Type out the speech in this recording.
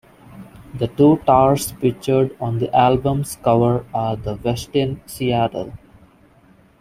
The two towers pictured on the album's cover are The Westin Seattle.